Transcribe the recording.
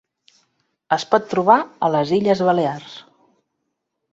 Es pot trobar a les Illes Balears.